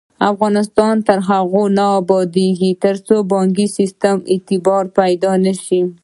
افغانستان تر هغو نه ابادیږي، ترڅو د بانکي سیستم اعتبار پیدا نشي.